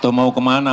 tuh mau kemana